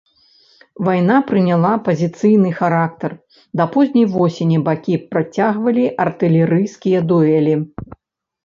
Вайна прыняла пазіцыйны характар, да позняй восені бакі працягвалі артылерыйскія дуэлі.